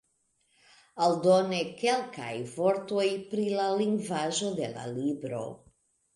Aldone kelkaj vortoj pri la lingvaĵo de la libro.